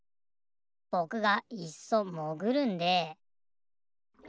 ぼくがいっそもぐるんで。